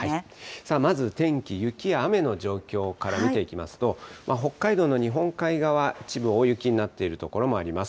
さあ、まず天気、雪や雨の状況から見ていきますと、北海道の日本海側、一部大雪になっている所もあります。